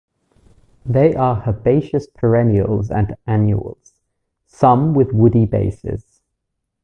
They are herbaceous perennials and annuals, some with woody bases.